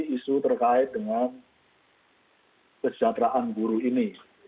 isu terkait dengan kesejahteraan guru ini